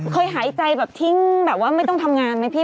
หายใจแบบทิ้งแบบว่าไม่ต้องทำงานไหมพี่